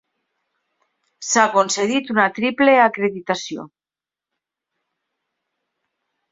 S'ha concedit una triple acreditació.